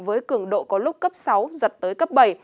với cường độ có lúc cấp sáu giật tới cấp bảy